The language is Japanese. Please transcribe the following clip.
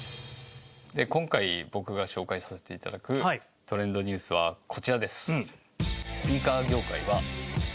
今回僕が紹介させて頂くトレンドニュースはこちらです。